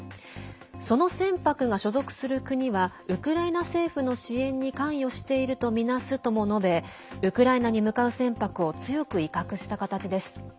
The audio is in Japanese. その船舶が所属する国はウクライナ政府の支援に関与しているとみなすとも述べウクライナに向かう船舶を強く威嚇した形です。